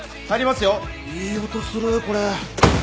いい音するこれ。